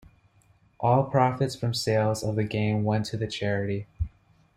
All profits from sales of the game went to the charity.